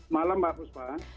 malam bagus pak